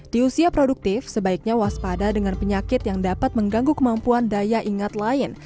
di usia produktif sebaiknya waspada dengan penyakit yang dapat mengganggu kemampuan daya ingat lain